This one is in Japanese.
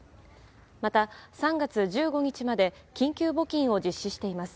また３月１５日まで緊急募金を実施しています。